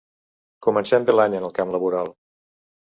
Comencem bé l’any en el camp laboral.